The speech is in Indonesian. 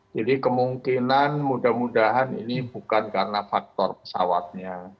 jadi kemungkinan mudah mudahan ini bukan karena faktor pesawatnya